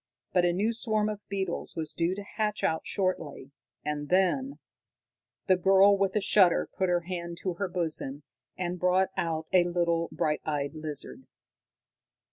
But a new swarm of beetles was due to hatch out shortly, and then The girl, with a shudder, put her hand to her bosom, and brought out a little bright eyed lizard.